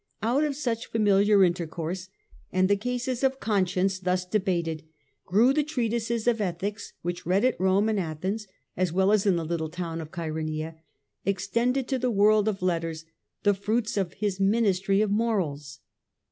Out of such familiar intercourse, and the cases of conscience thus debated, grew the treatises of ethics which, read at Rome and Athens as well as in the little town of Chaeroneia, ex tended to the world of letters the fruits of his ministry of morals.